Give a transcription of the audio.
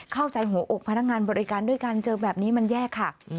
เข้าใจหัวอกพนักงานบริการด้วยการเจอแบบนี้มันแย่ค่ะ